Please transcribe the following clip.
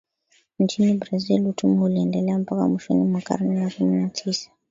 Nchini Brazil utumwa uliendelea mpaka mwishoni mwa karne ya kumi na tisa